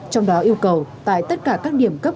trong đó yêu cầu tại tất cả các điểm cấp